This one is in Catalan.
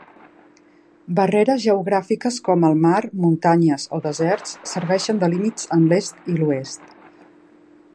Barreres geogràfiques com el mar, muntanyes o deserts serveixen de límits en l'est i l'oest.